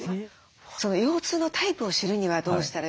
腰痛のタイプを知るにはどうしたらよろしいですか？